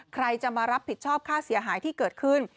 ใครจะมารับผิดชอบค่าเสียหายที่เกิดขึ้น